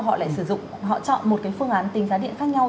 họ lại sử dụng họ chọn một cái phương án tính giá điện khác nhau